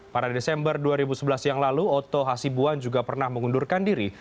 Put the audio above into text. pada desember dua ribu sebelas yang lalu oto hasibuan juga pernah mengundurkan diri